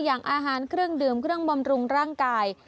อย่างอาหารเครื่องดื่มเครื่องบำรุงร่างกาย